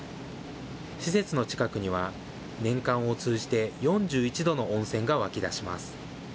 施設の近くには、年間を通じて４１度の温泉が湧き出します。